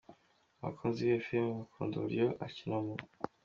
Abakunzi b’iyo filime bakunda uburyo ayikinamo.